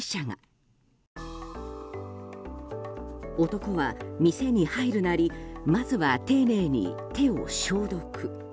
男は店に入るなりまずは丁寧に手を消毒。